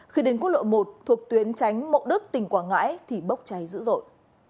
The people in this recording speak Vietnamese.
khi đến quốc lộ một thuộc tuyến tránh mộ đức tỉnh quảng ngãi thì bốc cháy dữ dội